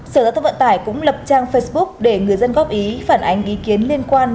sở giao thông vận tải cũng lập trang facebook để người dân góp ý phản ánh ý kiến liên quan